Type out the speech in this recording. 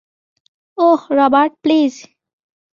Oh, Robert, please.